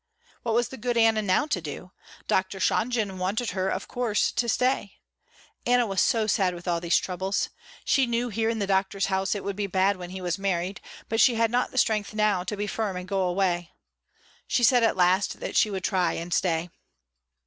What was the good Anna now to do? Dr. Shonjen wanted her of course to stay. Anna was so sad with all these troubles. She knew here in the Doctor's house it would be bad when he was married, but she had not the strength now to be firm and go away. She said at last that she would try and stay.